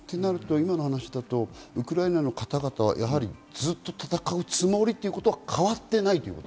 その話だとウクライナの方々はずっと戦うつもりということは変わっていない？